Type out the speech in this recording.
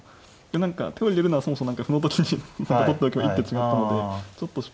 何か手を入れるのはそもそも歩の時に取っておけば一手違ったのでちょっと失敗したかなと。